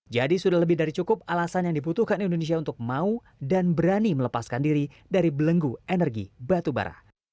jadi sudah lebih dari cukup alasan yang dibutuhkan indonesia untuk mau dan berani melepaskan diri dari belenggu energi batu bara